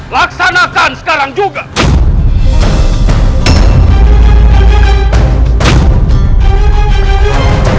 laksanakan sekarang juga